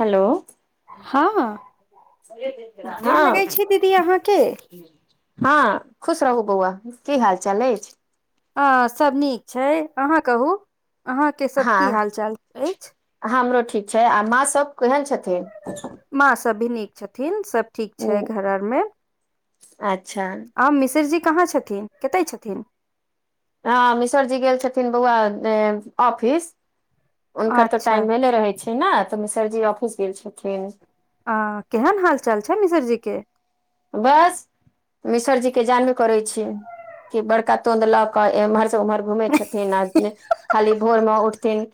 Hello हँ गोर हँ लगैत छै दीदी अहाँके हँ खुश रहू बौआ की हाल चाल अछि हँ सभ नीक छै अहाँ कहू अहाँके सभ की हँ हाल चाल अछि हमरो ठीक छै आ माँ सब केहन छथिन माँ सभ भी नीक छथिन सब ठीक ओ छै घर आर मे अच्छा आ मिसरजी कहाँ छथिन कतऽ छथिन हँ मिसर जी गेल छथिन बौआ ऑफिस हुनकर तऽ अच्छा टाइम भेले रहै छै ने तऽ मिसरजी ऑफिस गेल छथिन आ केहन हाल-चाल छैय मिसरजी के? बस मिसर जी के जानबे करैय छीयै कि बड़का तोंद लऽ कऽ एम्हर से उम्हर घुमेै छथिन आ खाली भोर मे उठथिन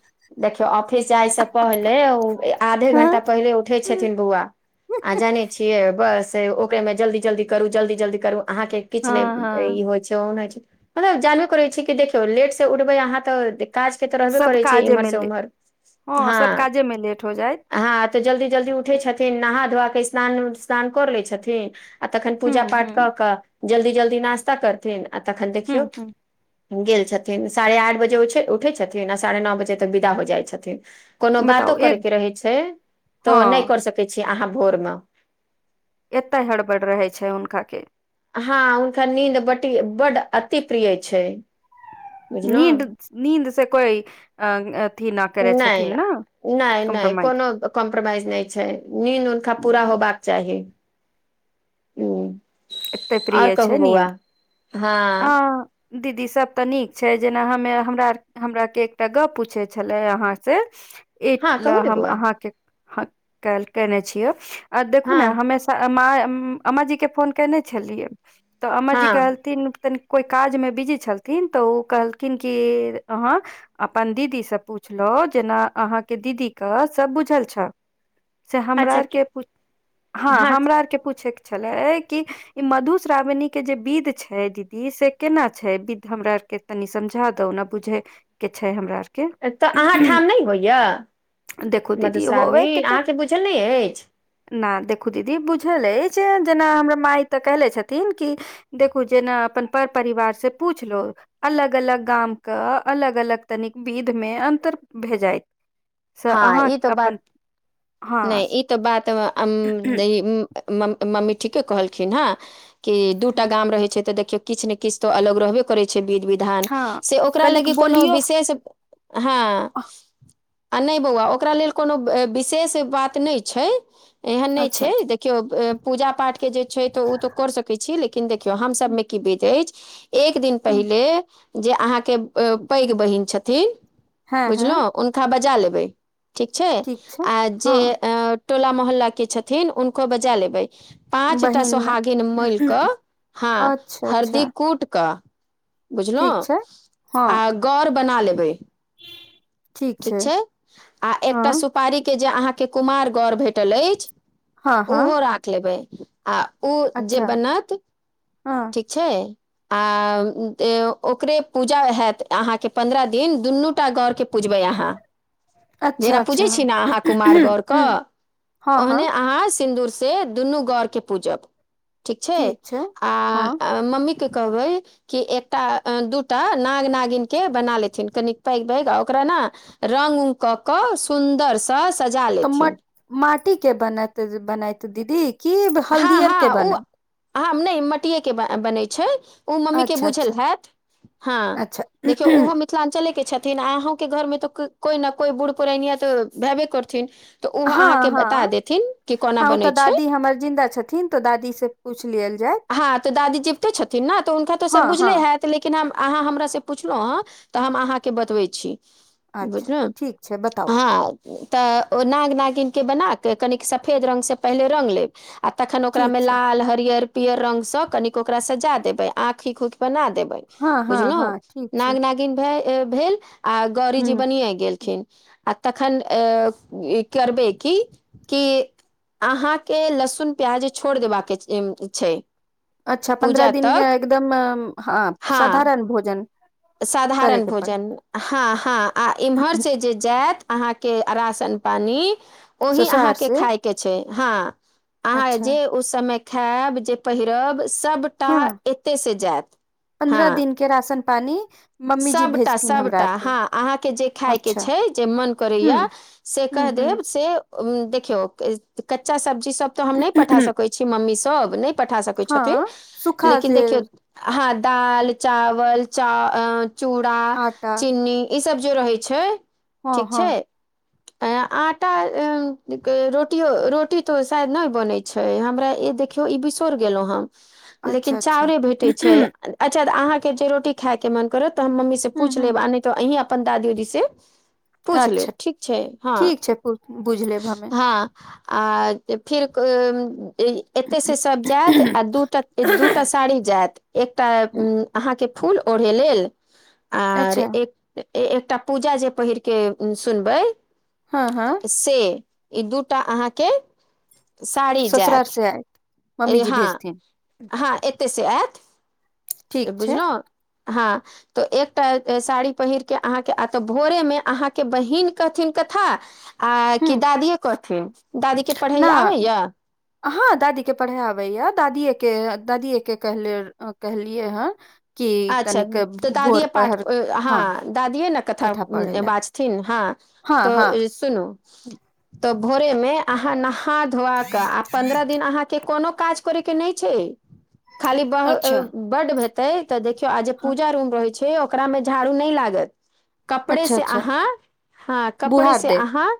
देखियौ ऑफिस जाइसँ पहिले आधे हँ घंटा पहिले उठै छथिन बौआ। आ जानै छियै बस ओकरे में जल्दी जल्दी करू जल्दी जल्दी करू अहाँके किछु नहि हँ ई होइ छैय ओहन होइ छैय मतलब जानबे करै छी कि देखियौ लेट से उठबै अहाँ तऽ काज के तऽ रहबे सब करै छैय काजे इम्हर मे से ले ओमहर हँ। सब काजे मे लेट हो जायत हँ, तऽ जल्दी-जल्दी उठै छथिन, नहा-धोआ कऽ स्नान उसनान कर लै छथिन। आ तखन हूँ पूजा पाठ हूँ क क़ जल्दी जल्दी नास्ता करथिन आ तखन हूँ देखियौ हूँ गेल छथिन साढ़े आठ बजे उठै छथिन आ साढ़े नौ बजे तक विदा हो जाइ छथिन। कोनो बातो बताउ करय एक के रहै छैय तऽ आहा नहि हँ करि सकै छीय अहाँ भोर मे। एत्ते हड़बड़ रहै छैय हुनका के। हँ हुनकर नींद बटी बड अति प्रिय छैय। नींद नींदसे कोई अ अथि न करै छथिन नहि ने। नहि नहि कम्प्रोमाइज कोनो कम्प्रोमाइज नहि छैय नीन्द हुनका पूरा होबाक चाही। नहीं हूं एते प्रिय छैय नीन्द। हँ दीदी सभ तऽ नीक छैय जेना हमे हमरा आर हमरा के एकटा गप पूछे छले अहाँ से। ई हँ ले कहू ने हम बौआ अहाँके के कॉल केने छियै आ देखु हँ ने हमे अम्म जी के फोन केने छलियै तऽ अम्म जी हँ कहलथिन तनि कोइ काजमे बिजी छलथिन तऽ ओ कहलखिन कि अहाँ अपन दीदीसे पुछलव जेना अहाँके दीदीके सभ बुझल छन। से हमरा अच्छा कि आरके हँ हमरा आरके पूछेके छलै कि ई मधुश्रावणी के जे विध छैय दीदी से केना छैय विध हमरा आर के तनी समझा दव ने बुझे के छैय हमरा आर एतऽ अहाँ ठाम नहि होइया देखू दीदी मधुश्रावणी अहाँके बुझल नहि अछि? नहि देखू दीदी बुझल अछि जेना हमरा माय तऽ कहनेे छथिन कि देखू जेना अपन पर परिवार से पूछलो। अलग अलग गामके अलग अलग तनिक विध मे अन्तर भे जाइत। हँ ई तऽ बात हँ नहि ई तऽ बात [unintelligible] मम्मी ठीके कहलखिन हँ कि दू टा गाम रहै छैय तऽ देखियौ किछु ने किछु तऽ अलग रहबे करै छैय विधि विधान हँ से ओकरा तनिक लगी कोनो बोलियौ विशेष हँ आ नहि बौआ ओकरा लेल कोनो विशेष बात नहि छैय एहन नहि अच्छा छैय देख केओ पूजा पाठ के जे छैय तऽ ओ तऽ कर सकैत छी लेकिन देखियौ हमसभमे की विध अछि एक दिन पहिले जे अहाँके पैघ बहिन छथिन हँ हँ बुझलव हुनका बजा लेबै ठीक छैय छै आ जे हँ टोला मोहल्ला के छथिन हुनको बजा लेबै पाँचटा बहिन सोहागिन मिल कऽ हँ अच्छा हरदी अच्छा कूट कऽ ठीक बुझलहु छै हँ आ गर बना लेबै। [unintelligible] ठीक छै छैय आ हँ एकटा सुपारीके जे अहाँके कुमार गड़ भेटल अछि हँ हँ ओहो राख लेबै आ ओ जे अच्छा बनत हँ छैय आ ओकरे पूजा हैत अहाँके पन्द्रह दिन दुनूटा गरके पुजबै अहाँ। जेना अच्छा अच्छा पूजै छीयै न अहाँ कुमार गरके ह हँ ओहने हँ अहाँ सिंदू से दुनू गौर के पूजब ठीक छै आ हँ मम्मी के कहबै कि एकटा दू टा नाग नागिनकेँ बना लेथिन कनिक पैघ पैघ आ ओकरा ने रङंग उ कऽ कऽ सुन्दरसँ सजा तऽ लेथिन माटी के बनैते बनैते दीदी की हल्दी हँ आर के हँ ओ बनैत ह नहि मटिये के बनै छै ओ मम्मी के अच्छा बुझल अच्छा हयैत हँ अच्छा देखियऔ ओहो मे मिथिलाञ्चले के छथिन आ अहूँके घरमे तऽ कोइ ने कोइ बुढ़ पुरैनिया तऽ हैबे करथिन तऽ ओहो हँ अहाँके बता देथिन कि कोना हँ ओ बनै तऽ छै दादी हमर जिन्दा छथिन छथिन तऽ दादी से पूछछि लियल जायत हँ तऽ दादी जिबते छथिन न तऽ हुनका तऽ सब हँ बुझले हँ हैत लेकिन आहाँ हमरा स पुछनु ह तऽ हम अहाँके बतबै छी। अच्छा बुझल ठीक छै बताउ हँ तऽ ओ नाग नागिनके बनाके कनिक सफेद रंग से पहिले रग लेब आ तखन ठीक ओकरामे छै लाल हरियर पीयर रंग सँ कनि ओकरा सजा देब, आँखि सेहो बना देबे हँ हँ बुझलो, हँ ठीक छै नाग-नागिन भेल आ गौरीजी ह बनिए गेलखिन आ तखन अ करबै की अहाँके लहसुन प्याज छोड़ देबाक छै अच्छा पन्द्रह पूजा दिन तक एकदम हँ हँ साधारण भोजन साधारण करैके पड़त भोजन हँ हँ आ एम्हरसँ जे जायत अहाँके राशन पानी ओही ससुरार अहाँके से खाायके छै हँ अहाँ अच्छा जे ओ समय खायब जे पहिरब सभ हँ, पन्द्रह हँ दिनक राशन-पानी। सभटा सभटा हँ अहाँके जे खायके अच्छा छै जे मोन हू करैए से हू कह हू देब से उ देखियौ कच्चा सब्जी सब तऽ हम नहि पठा सकैत छी मम्मी सब नहि पठा सकै छथिन हँ सूखा लेकिन जे देखियौ आहा दाल चावल चूड़ा आटा चीनी ई सब जे रहै छै हँ ठीक छै [unintelligible] अ, आटा के रोटी रोटी त सायद नई बनी छै देखियौ ई बिसोर गेलहुं ह अच्छा लेकिन अच्छा चाउरे भेटै छै हू अच्छा तऽ अहाँके जे रोटी खायके मन करत तऽ हम मम्मी से पूछि हू लेब आ नहि तऽ अहीं अपन दादी जी से पूछ लेब अच्छा ठीक छै हँ ठीक छै पु- बुझ लेब हमे हँ और फिर एते से सब जायत आ दू दूटा साड़ी जायत एकटा अहाँके फूल ओढ़ै लेल आर अच्छा एक एकटा पूजा जे पहिर कऽ सुनबै हँ हँ से ई दूटा अहाँके साड़ी ससुरार जायत से आयत अ मम्मी जी हँ भेजथिन हँ एतय से आयत ठीक छै बुझलहुँ हँ तऽ एकटा साड़ी पहिरके अहाँके आ तऽ भोरेमे अहाँके बहीन कहथिन कथा आ ह की दादीे कथिन दादीे क पढ़ै न आबैया हँ दादी के पढ़ै आबैया दादीए के दादिए के कहले कहलियै हँ अच्छा तऽ दादीए पाठ हँ दादिेए ने कथा पढ़े लए बाज थिन हँ हँ हँ तऽ सुनु त भोर मे आहा नहा धूआक क पंद्रह दिन के कोनो काज करे के नइ छै खाली अच्छा बड्ड हेतै तऽ देखियौ आ जे हँ पूजा रूम रहै छै ओकरा मे झाड़ू नइ लागत कपड़े अच्छा से अच्छा अहाँ हँ कपड़े बुहार से देब अहाँ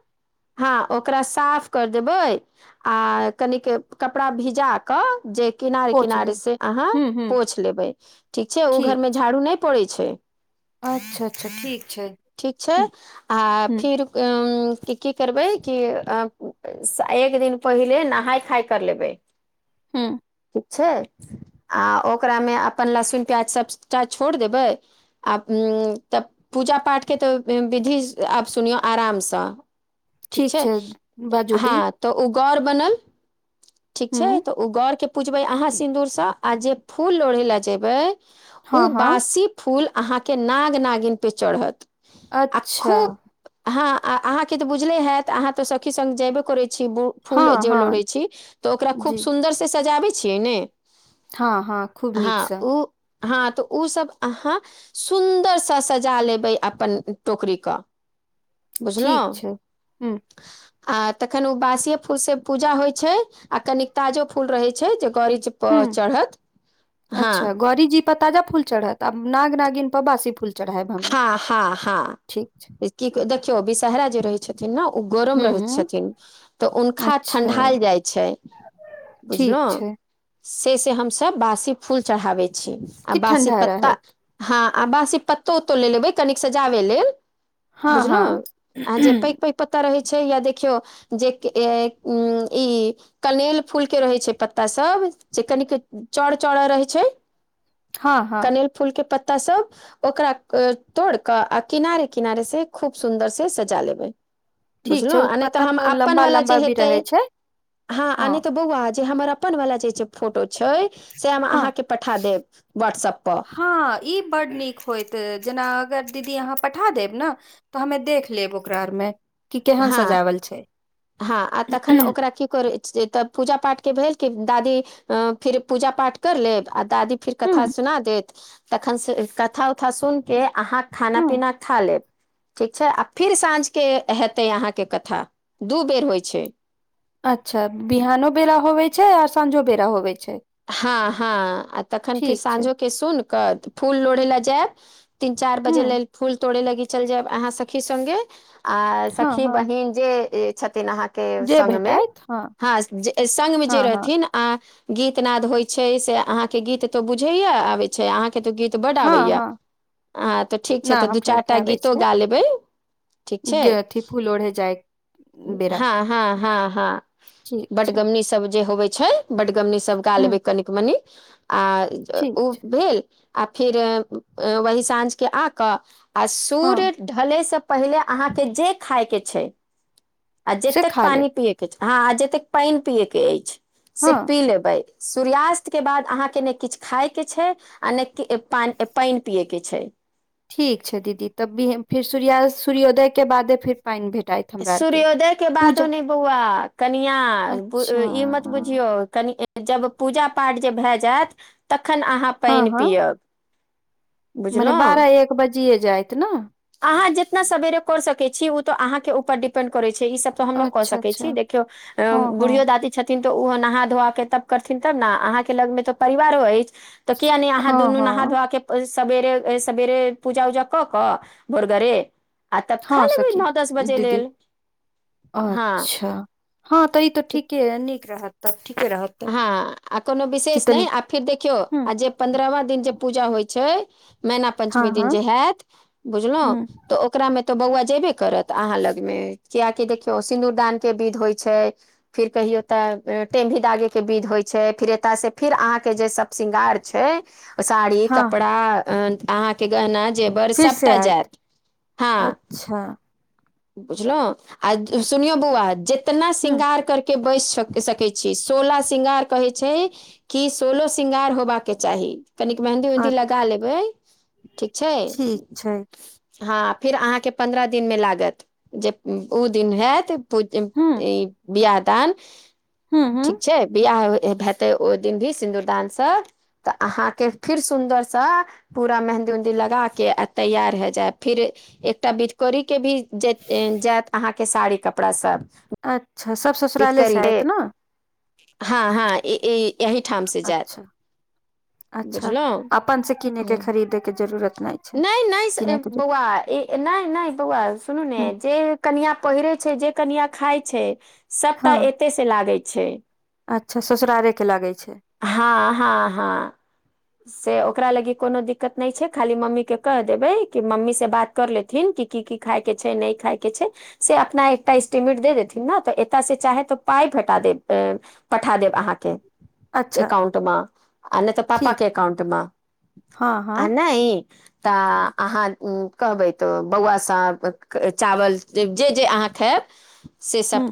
हँ ओकरा साफ कर देबै आ कनिक कपड़ा भिजा क जे किनारे पोछ किनारे देब से अहाँ हूँ हूँ पोछ लेबै ठीक छै ओ घर मे झाड़ू नै पड़ै छै अच्छा अच्छा ठीक छै ठीक छै आ ह फिर की करबै कि एक दिन पहिले नहाय खाय कर लेबै हूंम्म ठीक छै आ ओकरामे अपन लहसुन प्याज सभटा छोड़ि देबै आ तब पूजा पाठके तऽ विधि आब सुनियौ आरामसँ ठीक छै बाजू दी हँ तऽ ओ गौर बनल ठीक हूँ छै तऽ ओ गौर के पूजबै अहाँ सिन्दूर से आ जे फूल लोढ़े ले जेबै ओ हँ हँ बासी फूल अहाँके नाग नागिन पे चढ़त आ अच्छा खूब हँ अहाँके तऽ बुझले हयैत अहाँ तऽ सखी सङ्ग जेयबे करैत छी फूल हँ जे लोढ़ै हँ छी तऽ ओकरा खूब जी सुन्दरसँ सजाबै छियै ने हँ हँ खूब हँ नीकसँ उ हँ तऽ ओ सब अहाँ सुन्दरसँ सजा लेबै अपन टोकरीके बुझलौं ठीक छै हुँ आ तखन ओ बासिए फूल से पूजा होइ छै आ कनिक ताजो फूल रहे छै जे गौरी हूंम्म अच्छा गौरीजी पर ताजा फूल चढ़त आब नाग नागिन पर बासी फूल चढ़ाएब हँ हँ हँ की देखियौ विषहरा जे रहै छथिन ने ओ गरम रहैत हुँ छथिन तऽ हुनखा अच्छा ठंढ़ायल जाइ छै ठीक बुझलहुँ छै से से हमसभ बासी फूल चढ़ाबै छी आ कि बासी ठण्डा पत्ता रहत हँ आ बाँसी पत्तो ओत्तो लऽ लेबै कनिक सजाबै लेल हँ बुझलौं हँ आ जे पैघ पैघ पत्ता रहैत छै या देखियौ जे उ ई [unintelligible] कनेल फूलके रहैत छै पत्तासभ जे कनिक चौड़ा चौड़ा रहैत छै हँ हँ कनैल फूल के पत्ता सब ओकरा तोड़ क आ किनारे किनारे से खूब सुन्दर से सजा लेबै ठीक छै बुझलौं ओ आ नइ तऽ पत्ता हम पर अप्पन लम्बा वाला जे लम्बा भी हेतै रहै छै हँ आ नइ तऽ बौआ जे हमर अप वाला जे फोटो छै से हम हँ अहाँके पठा देब व्हाट्सप पर हँ ई बड्ड नीक होइतै जेना अगर दीदी अहाँ पठा देब न तऽ हमे देख लेब ओकरा आरमे कि केहन हँ सजावल छै हँ आ तखन हुँ ओकरा की कर से तऽ पूजा पाठके भेल कि दादी फिर पूजा पाठ कर लेब आ दादी फिर कथा सुना देत तखन कथा उथा सुन के अहाँ खाना हुँ पीना खा लेब ठीक छै आ फिर साँझ के हेतै अहाँके कथा दू बेर होइ छै अच्छा बिहानो बेरा होवे छै आर साँझो बेरा होवे छै हँ हँ आ तखन फेर ठीक छै, साँझोके सुन कऽ फूल लोढ़य लए जायब तीन चार हुँ, बजे लेल फूल तोड़े लागी चलि जायब अहाँ सखी संगे आ सखी हँ-हँ, बहिन जे छथिन अहाँके जे संग मे भेटैत, हँ जे संगमे जे हँ-हँ, रहथिन आ गीत नाद होइ छै से अहाँ के गीत तो बुझेये आबे छै अहाँ के तो गीत तऽ बड्ड आबैया हँ-हँ, आ तऽ ठीक छै ना तऽ दू हमरा चारटा गीतो गा लेबै ठीक छै गथि फूल लोढ़े जाइ हँ हँ हँ हँ ठीक छै, बटगमनी सब जे होवै छै बटगमनी सब गा लेबै हुँ, कनिक मनी आ ठीक, ओ भेल आ फिर वही साँझ के आक आ सूर्य हँ, ढले से पहिले अहाँ के जे खाय के छै आ से जेतेक खा लेब, पानी पियए के छै हँ जतेक पानि पियए के अछि से हँ, पी लेबै सूर्यास्तके बाद अहाँके नइ किछु खायके छै आ नइ पानि पानि पियेके छै ठीक छै दीदी तब फेर सूर्य सूर्योदय के बादे फेर पानि भेटाइत हमरा आरके, सूर्योदय के बादो पूजा नइ बौआ कनिआ अच्छा ई मत बुझियौ कनि जब पूजा पाठ जे भए जायत तखन अहाँ पानि हँ-हँ, पियअब मने बारह एक बजिये जायत ने आहाँ जेतना सवेरे कर सकै छी ओ तऽ अहाँके ऊपर डिपेंड करै छै ईसब हम कऽ सकै अच्छा-अच्छा, छी देखियौ अ हँ-हँ, बुढ़ियो दादी छथिन तो ओहो नहा धोआ के तब करथिन तब ने अहाँ के लग मे त परिवारो अछि त किये नइ अहाँ दुनू नहा हँ-हँ, धोआ के ओइ सवेर ओइ सेवेर पूजा ऊजा क क भोरगरे आ तब खा हँ लेबै सखी नओ दस बजे दीदी लेल हँ अच्छा हँ तऽ ई तऽ ठीके नीक रहत तब ठीके रहत तब हँ आ कोनो कि विशेष नइ तनी आ फिर देखियौ ह आ जे पन्द्रहवा दिन जे पूजा होइ छै मैना हँ पञ्चमी दिन हँ जे होयत बुझलहु ह तऽ ओकरामे तऽ बौआ जयबे करत अहाँ लगमे कियाकि देखियौ सिन्दूरदानके विध होइ छै फिर कहियो तऽ टेमी दागे के विध होइ छै फिर एतय से फिर अहाँके जे सब श्रृंगार छै साड़ी हँ कपड़ा अहाँके गहना जेबर फिर से सभटा आयत जायत हँ अच्छा बुझलौं आ सुनियौ बौआ जेतना ह श्रृंगार करके के बैस स सकै छी सोला श्रृंगार कहै छै कि सोलो श्रृंगार होबाके चाही तनिक मेहंदी उहन्दी अ लगा लेबै ठीक छै ठीक छै हँ फिर अहाँके पन्द्रह दिनमे लागत जे ऊ दिन हैत पू ह ई बियाह दान ह ह ठीक छै बियाह हेते ओइ दिन भी सिन्दूरदान से तऽ अहाँ के फिर सुन्दरसँ पूरा मेहंदी उहंदी लगा के आ तैयार ह जाय फिर एकटा बिधकोरी के भी जे ऐन जायत अहाँके साड़ी कपड़ा सब अच्छा स इतकरी है हँ हँ ई ई अच्छा अच्छा बुझलहुँ अपन से किने के ह खरीदे के जरू रत नहि छै नहि नहि किने के बौआ नइ नइ बौआ सुनू ने ह जे कनिया पहिरे छै जे कनिया खाय छै सभटाऽ हँ एतयसँ लागै छै अच्छा ससुरारेके लागै छै हँ हँ हँ से ओकरा लागी कोनो दिक्कत नहि छै खाली मम्मी के कहि देबै कि मम्मी से बात कर लेथिन कि की की खाय के छै नहि खाय के छै से अपना एकटा स्स्टीमेट दे देथिन न तऽ एत से चाहे तऽ पाइ फेटा दे अ पठा देब अहाँक अच्छा एकाउंटमे, आ नहि तऽ पा ठीक अकाउंट मे हँ हँ आ नै तऽ आहाँ कहबै तऽ बौआसँ चावल जे जे अहाँ खायब से सप ह